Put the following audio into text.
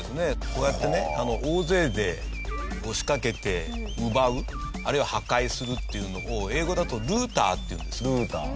こうやってね大勢で押しかけて奪うあるいは破壊するっていうのを英語だとＬｏｏｔｅｒていうんです。